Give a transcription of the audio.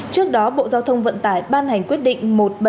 trước đó bộ giao thông vận tải ban hành quyết định